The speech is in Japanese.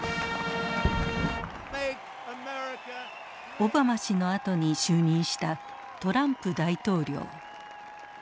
オバマ氏のあとに就任したトランプ大統領。